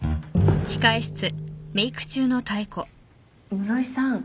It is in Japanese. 室井さん。